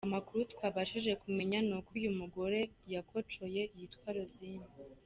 Amakuru twabashije kumenya ni uko uyu mugore yakocoye yitwa Rosine.